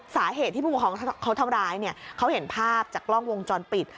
สาเหตุที่ผู้ปกครองเขาทำร้ายเนี่ยเขาเห็นภาพจากกล้องวงจรปิด